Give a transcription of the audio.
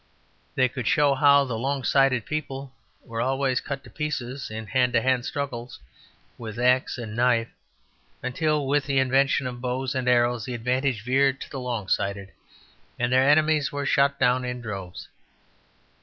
They could show how the long sighted people were always cut to pieces in hand to hand struggles with axe and knife; until, with the invention of bows and arrows, the advantage veered to the long sighted, and their enemies were shot down in droves.